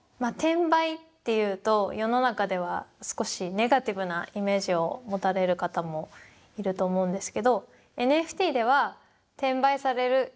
転売っていうと世の中では少しネガティブなイメージを持たれる方もいると思うんですけどＮＦＴでは転売される